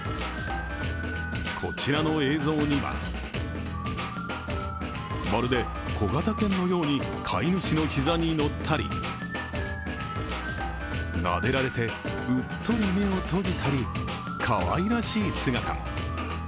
こちらの映像には、まるで小型犬のように飼い主の膝に乗ったりなでられて、うっとり目を閉じたり、かわいらしい姿も。